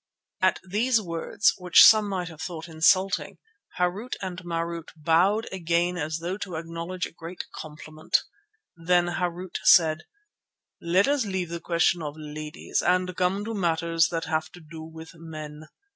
At these words, which some might have thought insulting, Harût and Marût bowed again as though to acknowledge a great compliment. Then Harût said: "Let us leave the question of ladies and come to matters that have to do with men.